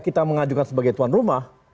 kita mengajukan sebagai tuan rumah